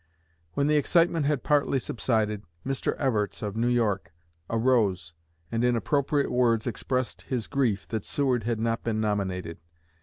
When the excitement had partly subsided, Mr. Evarts of New York arose, and in appropriate words expressed his grief that Seward had not been nominated.